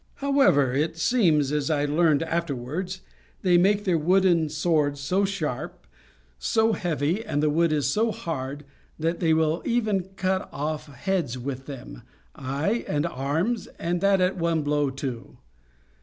However, it seems, as I learned afterwards, they make their wooden swords so sharp, so heavy, and the wood is so hard, that they will even cut off heads with them, ay, and arms, and that at one blow, too.